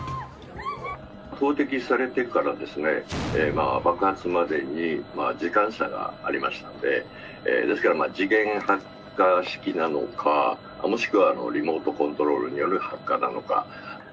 投てきされてから爆発までに時間差がありましたので、ですから時限発火式なのか、もしくはリモートコントロールによる発火なのか。